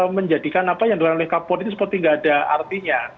menjadikan apa yang dilakukan oleh kapolri itu seperti nggak ada artinya